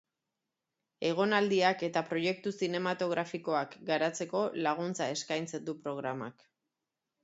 Egonaldiak eta proiektu zinematografikoak garatzeko laguntza eskaintzen du programak.